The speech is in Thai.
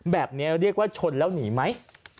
แบบนี้เรียกว่าชนแล้วหนีไหม